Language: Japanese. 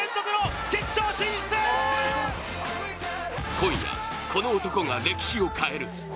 今夜、この男が歴史を変える。